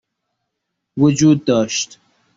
وجود داشت